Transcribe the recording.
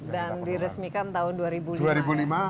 dan diresmikan tahun dua ribu lima ya